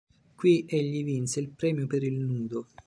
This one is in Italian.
Qui egli vinse il premio per il "nudo".